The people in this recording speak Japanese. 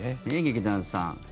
劇団さん